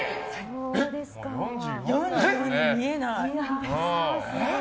４０に見えない。